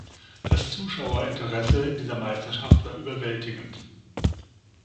Das Zuschauerinteresse dieser Meisterschaft war überwältigend.